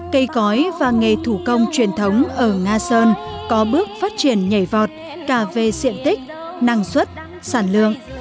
cây cõi và nghề thủ công truyền thống ở nga sơn có bước phát triển nhảy vọt cả về diện tích năng suất sản lượng